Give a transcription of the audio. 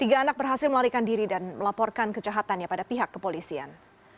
tiga anak berhasil melarikan diri dan melaporkan kejahatannya pada pihak kepolisian